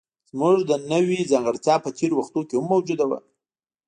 زموږ د نوعې ځانګړتیا په تېرو وختونو کې هم موجوده وه.